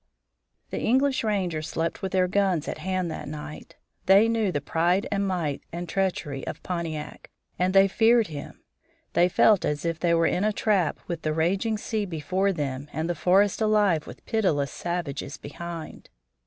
The English rangers slept with their guns at hand that night. They knew the pride and might and treachery of Pontiac, and they feared him. They felt as if they were in a trap, with the raging sea before them and the forest alive with pitiless savages behind.